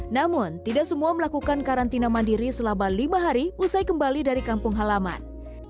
namun tidak semua melakukan karantina mandiri selama lima hari usai kembali dari kampung halaman